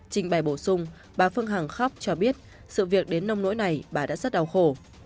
trình bày bổ sung bà phương hằng khóc cho biết sự việc đến nông lỗi này bà đã rất đau khổ